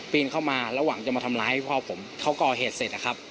เข้ามาระหว่างจะมาทำร้ายพ่อผมเขาก่อเหตุเสร็จนะครับ